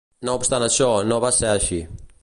No obstant això, no va ser així.